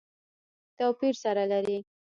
توپیر سره لري.